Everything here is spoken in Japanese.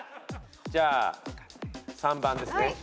じゃあ３番ですね。